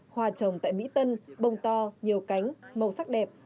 hoa trồng tại mỹ tân bông to nhiều cánh màu sắc đẹp